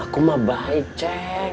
aku mah baik ceng